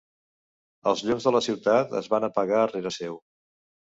Els llums de la ciutat es van apagar rere seu.